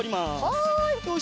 はい。